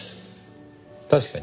確かに。